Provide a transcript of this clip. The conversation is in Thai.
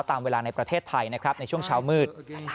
ตามเวลาในประเทศไทยนะครับในช่วงเช้ามืด